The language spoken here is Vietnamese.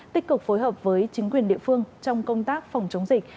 tích cực phối hợp với chính quyền địa phương trong công tác phòng chống dịch